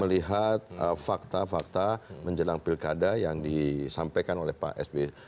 melihat fakta fakta menjelang pilkada yang disampaikan oleh pak sby